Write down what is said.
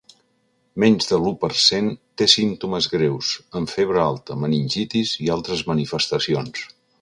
Menys de l’u per cent té símptomes greus, amb febre alta, meningitis i altres manifestacions.